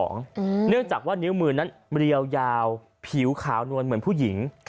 เนื่องจากว่านิ้วมือนั้นเรียวยาวผิวขาวนวลเหมือนผู้หญิง